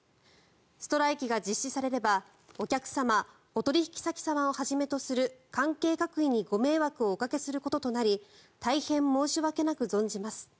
ストライキが実施されればお客様、お取引先様をはじめとする関係各位にご迷惑をおかけすることとなり大変申し訳なく存じます。